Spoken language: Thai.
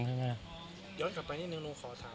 ย้อนกลับไปนิดนึงนุ้งขอถาม